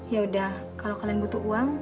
ya udah kalau kalian butuh uang